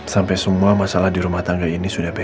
sampai semua masalah di rumah tangga ini sudah bebas